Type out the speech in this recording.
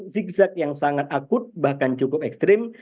zigzag yang sangat akut bahkan cukup ekstrim